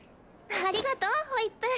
ありがとうホイップ。